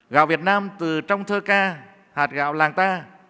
gạo việt nam từ trong thơ ca hạt gạo làng ta